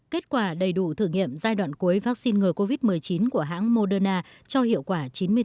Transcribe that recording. kết quả đầy đủ thử nghiệm giai đoạn cuối vaccine ngừa covid một mươi chín của hãng moderna cho hiệu quả chín mươi bốn